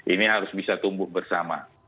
ini harus bisa tumbuh bersama